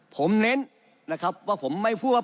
ผมเน้นนะครับว่าผมไม่พูดว่า